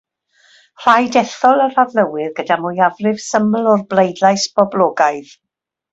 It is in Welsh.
Rhaid ethol yr Arlywydd gyda mwyafrif syml o'r bleidlais boblogaidd.